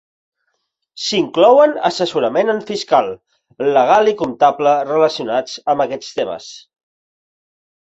S'inclouen assessorament en fiscal, legal i comptable relacionats amb aquests temes.